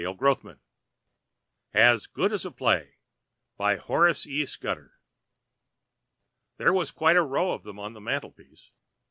[Pg 749] "AS GOOD AS A PLAY" BY HORACE E. SCUDDER There was quite a row of them on the mantel piece.